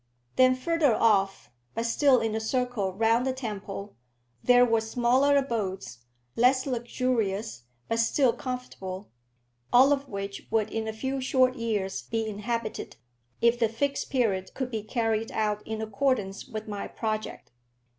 Then further off, but still in the circle round the temple, there were smaller abodes, less luxurious, but still comfortable, all of which would in a few short years be inhabited, if the Fixed Period could be carried out in accordance with my project.